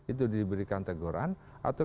itu diberikan teguran atau